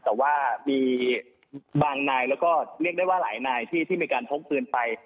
แต่ว่ามีบางนายแล้วก็เรียกได้ว่าหลายนายที่มีการพกปืนไป